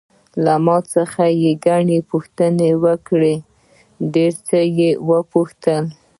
له ما څخه یې ګڼې پوښتنې وکړې، ډېر څه یې وپوښتل.